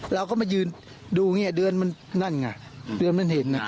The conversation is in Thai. เราก็มายืนดูนี่เดือนมันนั่นไงเดือนมันเห็นน่ะ